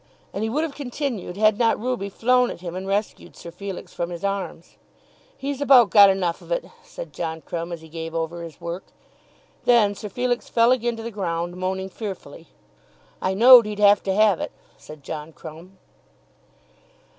And he would have continued had not Ruby flown at him and rescued Sir Felix from his arms. "He's about got enough of it," said John Crumb as he gave over his work. Then Sir Felix fell again to the ground, moaning fearfully. "I know'd he'd have to have it," said John Crumb.